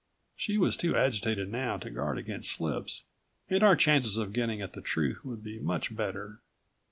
She was too agitated now to guard against slips and our chances of getting at the truth would be much better.